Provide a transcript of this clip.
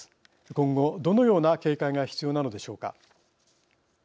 今後、どのような警戒が必要なのでしょうか。